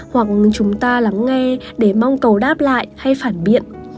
hoặc chúng ta lắng nghe để mong cầu đáp lại hay phản biện